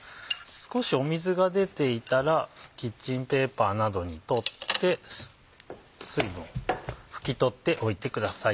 少し水が出ていたらキッチンペーパーなどに取って水分拭き取っておいてください。